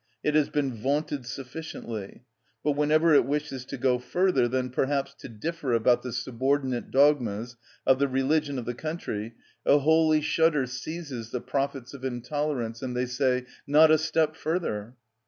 It has been vaunted sufficiently; but whenever it wishes to go further than perhaps to differ about the subordinate dogmas of the religion of the country, a holy shudder seizes the prophets of tolerance, and they say: "Not a step further!"